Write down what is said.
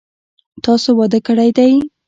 تاسو واده کړی دی؟